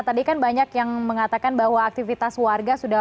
tadi kan banyak yang mengatakan bahwa aktivitas itu tidak boleh